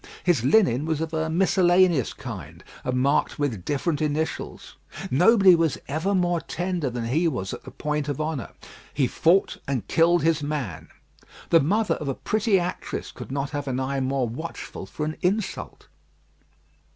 His linen was of a miscellaneous kind, and marked with different initials. Nobody was ever more tender than he was on the point of honour; he fought and killed his man. The mother of a pretty actress could not have an eye more watchful for an insult.